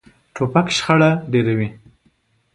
توپک شخړه ډېروي.